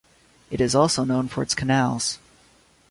It is also known for its canals.